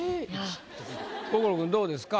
心君どうですか？